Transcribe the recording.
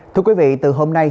thưa quý vị từ hôm nay